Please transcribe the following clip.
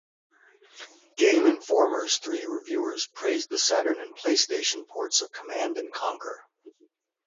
"Game Informer"'s three reviewers praised the Saturn and PlayStation ports of "Command and Conquer".